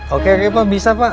oke oke pak bisa pak